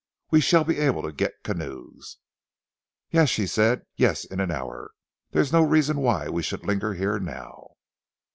We shall be able to get canoes." "Yes," she said, "Yes, in an hour. There is no reason why we should linger here now."